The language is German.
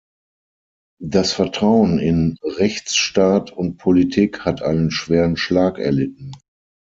Das Vertrauen in Rechtsstaat und Politik hat einen schweren Schlag erlitten.